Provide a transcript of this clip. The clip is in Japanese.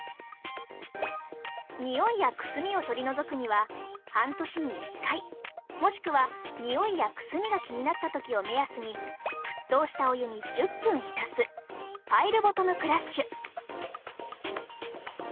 においやくすみを取り除くには半年に１回もしくはにおいやくすみが気になった時を目安に沸騰したお湯に１０分ひたすパイルボトムクラッシュ。